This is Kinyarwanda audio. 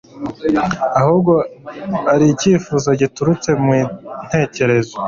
ahubwo ari icyifuzo giturutse mu ntekerezo